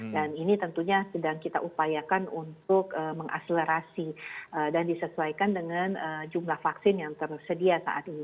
dan ini tentunya sedang kita upayakan untuk mengaslerasi dan disesuaikan dengan jumlah vaksin yang tersedia saat ini